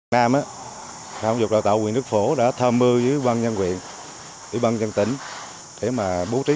năm công dục đào tạo quyền nước phố đã tham mưu với quân nhân quyền ủy ban dân tỉnh để mà bố trí